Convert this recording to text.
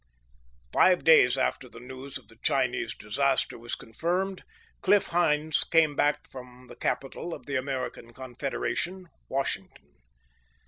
Five days after the news of the Chinese disaster was confirmed, Cliff Hynes came back from the capital of the American Confederation, Washington.